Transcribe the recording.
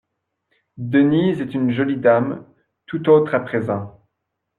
Denise est une jolie dame, tout autre à présent.